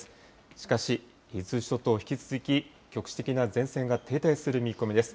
しかし、伊豆諸島、引き続き局地的な前線が停滞する見込みです。